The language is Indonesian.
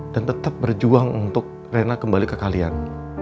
dan tetap berjuang untuk rena kembali ke kalian